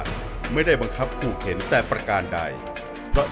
เหมือนเล็บแต่ของห้องเหมือนเล็บตลอดเวลา